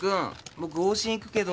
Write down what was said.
僕往診行くけど。